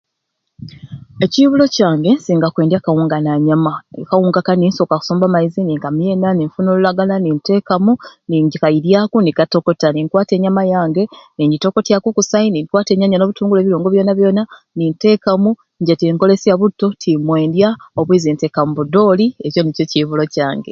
Ekiibulo kyange nsinga kwendya kawunga na nyama akawunga kani nsooka kusumba maizi ni nkumyena ninfuna olulagala ni nteekamu ningi nkairyaku ni katokota ni nkwata ennyama yange ningitokotyaku kusai ni nkwata enyanya n'obutungulu n'ebirungo byona byona ni nteekamu nje tinkolesya butto timwendya obwizi nteekamu budyoli ekyo nikyo kiibulo kyange.